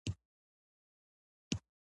هغوی د ستونزو ریښه پرې نه کړه.